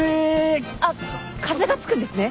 あっ風が付くんですね？